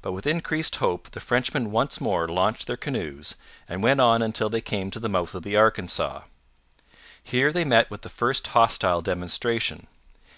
But with increased hope the Frenchmen once more launched their canoes and went on until they came to the mouth of the Arkansas. Here they met with the first hostile demonstration.